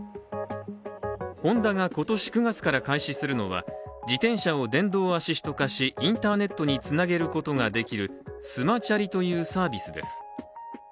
ホンダが今年９月から開始するのは自転車を電動アシスト化しインターネットにつなげることができるＳｍａＣｈａｒｉというサービスです。